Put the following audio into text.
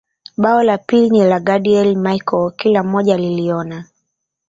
Bao la pili ni la Gadiel Michael kila mmoja aliliona